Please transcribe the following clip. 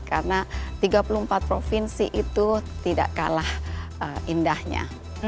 karena tiga puluh empat provinsi itu tidak kalah indahnya